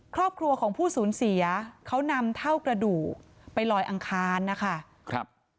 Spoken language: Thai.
ครอบครัวของผู้สูญเสียเขานำเท่ากระดูกไปลอยอังคารนะคะครับ